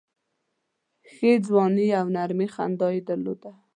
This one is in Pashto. ښې ځواني او نرمي خندا یې درلوده.